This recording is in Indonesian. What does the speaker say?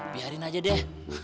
biarin aja deh